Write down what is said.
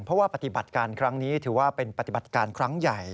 เพราะว่าปฏิบัติการครั้งนี้ถือว่าเป็นปฏิบัติการครั้งใหญ่